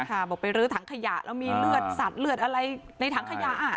บอกไปรื้อถังขยะแล้วมีเลือดสัตว์เลือดอะไรในถังขยะ